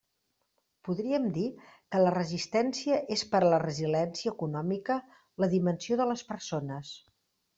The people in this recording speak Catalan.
Podríem dir que la resistència és per a la resiliència econòmica, la dimensió de les persones.